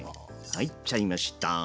入っちゃいました。